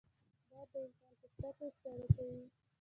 باد د انسان پوستکی ساړه کوي